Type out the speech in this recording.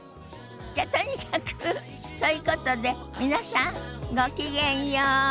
じゃとにかくそういうことで皆さんごきげんよう。